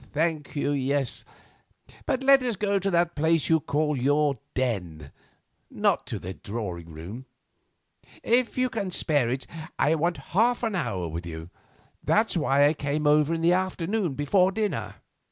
"Thank you, yes, but let us go to that place you call your den, not to the drawing room. If you can spare it, I want half an hour with you. That's why I came over in the afternoon, before dinner."